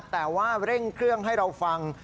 แต่ว่าเร่งเครื่องให้เราฟัง